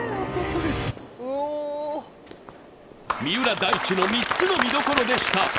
三浦大知の３つの見どころでした。